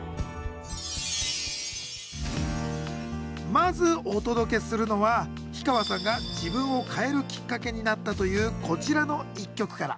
まずお届けするのは氷川さんが自分を変えるきっかけになったというこちらの一曲から！